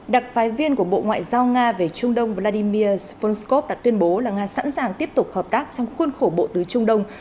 đặc phái viên của bộ ngoại giao nga về trung đông vladimirskov đã tuyên bố là nga sẵn sàng tiếp tục hợp tác trong khuôn khổ bộ tứ trung đông